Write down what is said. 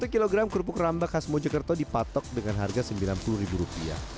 satu kg kerupuk rambak khas mojokerto dipatok dengan harga sembilan puluh rupiah